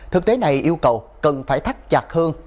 thực tế này yêu cầu cần phải thắt chặt hơn